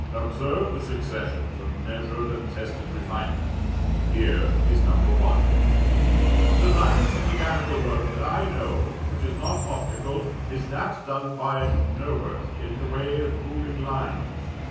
Observe the successions of measured and tested refinement: here is No. 1: "'The finest mechanical work that I know, which is not optical, is that done by Nobert in the way of ruling lines.